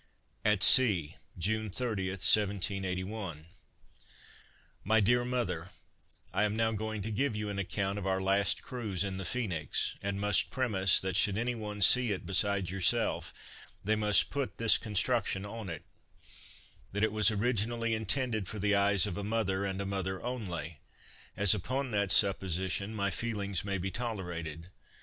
At Sea, June 30, 1781. MY DEAR MOTHER, I am now going to give you an account of our last cruise in the Phoenix; and must premise, that should any one see it besides yourself, they must put this construction on it that it was originally intended for the eyes of a mother, and a mother only as, upon that supposition, my feelings may be tolerated.